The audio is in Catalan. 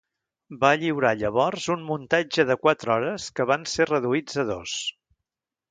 Va lliurar llavors un muntatge de quatre hores que van ser reduïts a dos.